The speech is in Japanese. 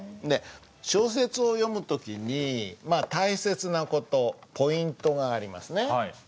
で小説を読む時にまあ大切な事ポイントがありますね。